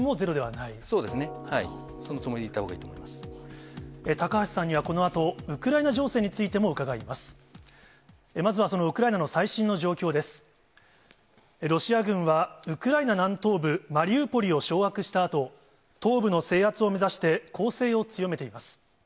ロシア軍はウクライナ南東部マリウポリを掌握したあと、東部の制圧を目指して、攻勢を強めています。